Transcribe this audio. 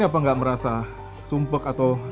iya karena nggak ada sirkulasi udara semua itu saja